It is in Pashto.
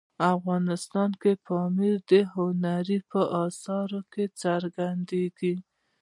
افغانستان کې پامیر د هنر په اثارو کې څرګندېږي.